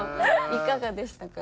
いかがでしたか？